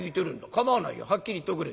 構わないよはっきり言っておくれ。